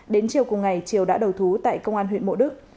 đến chiều cùng ngày triều đã đầu thú tại công an huyện mộ đức